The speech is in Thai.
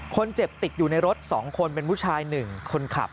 คนเจ็บติดอยู่ในรถ๒คนเป็นผู้ชาย๑คนขับ